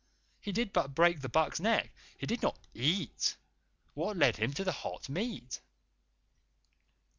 He did but break the buck's neck. He did not EAT. What led him to the hot meat?"